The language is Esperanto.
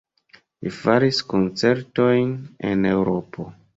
Li faris koncertojn en Eŭropo.